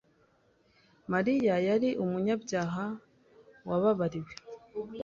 Mariya yari umunyabyaha wababariwe